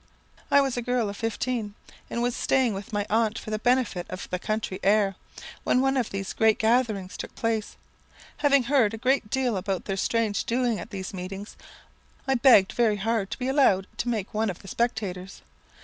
"I was a girl of fifteen, and was staying with my aunt for the benefit of the country air, when one of these great gatherings took place. Having heard a great deal about their strange doings at these meetings, I begged very hard to be allowed to make one of the spectators.